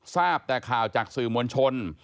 ทราบแต่ข่าวจากสื่อมวลชน